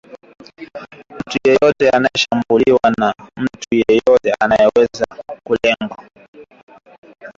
mtu yeyote anashambuliwa mtu yeyote anaweza kulengwa